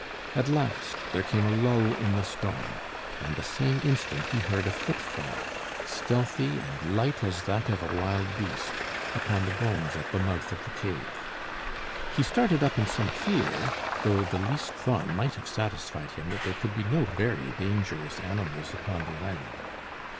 At last there came a lull in the storm, and the same instant he heard a footfall, stealthy and light as that of a wild beast, upon the bones at the mouth of the cave. He started up in some fear, though the least thought might have satisfied him that there could be no very dangerous animals upon the island.